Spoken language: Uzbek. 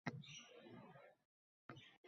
Ushbu videoni ko‘rishni tavsiya qilaman.